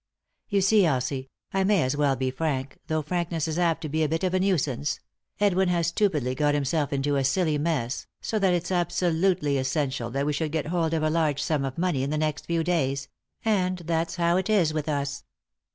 You see, Elsie— I may as well be frank, though frankness is apt to be a bit of a nuisance — Edwin has stupidly got himself into a silly mesa, so that it's absolutely essential that we should get hold of a large sum of money in the next few days— and that's how it is with us."